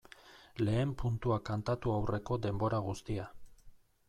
Lehen puntua kantatu aurreko denbora guztia.